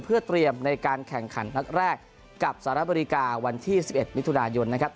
เพื่อเตรียมในการแข่งขันนัดแรกกับสหรัฐอเมริกาวันที่๑๑มิถุนายนนะครับ